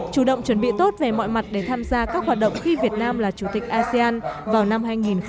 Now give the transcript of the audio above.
chủ động chuẩn bị tốt về mọi mặt để tham gia các hoạt động khi việt nam là chủ tịch asean vào năm hai nghìn hai mươi